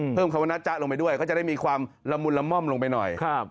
คำว่านะจ๊ะลงไปด้วยก็จะได้มีความละมุนละม่อมลงไปหน่อย